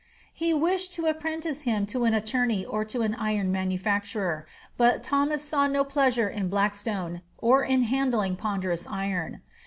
He wished to apprentice him to an attorney or to an iron manufacturer, but Thomas saw no pleasure in Blackstone, or in handling ponderous iron.